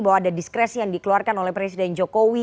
bahwa ada diskresi yang dikeluarkan oleh presiden jokowi